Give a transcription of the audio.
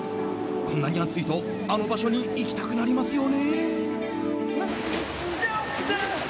こんなに暑いとあの場所に行きたくなりますよね。